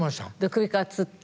首からつって。